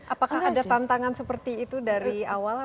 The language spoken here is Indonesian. apakah ada tantangan seperti itu dari awal